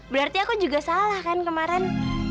berarti aku juga salah kan kemarin